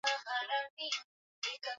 weka maji kidogo ya kuchemshia